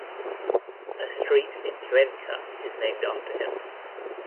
A street in Cuenca is named after him.